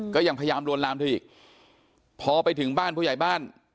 ก็ยังพยายามลวนลามเธออีกพอไปถึงบ้านผู้ใหญ่บ้าน